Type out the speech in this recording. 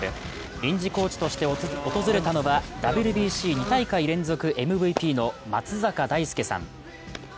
臨時コーチとして訪れたのは、ＷＢＣ２大会連続ＭＶＰの松坂大輔さん。